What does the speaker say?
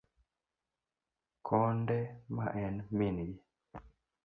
Konde ma en min gi.